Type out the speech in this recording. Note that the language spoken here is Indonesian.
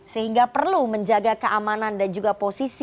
sehingga perlu menjaga keamanan dan juga posisi